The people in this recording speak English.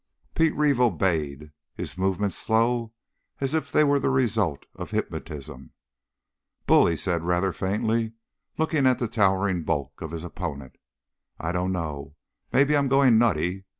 Pete Reeve obeyed, his movements slow, as if they were the result of hypnotism. "Bull," he said rather faintly, looking at the towering bulk of his opponent, "I dunno. Maybe I'm going nutty.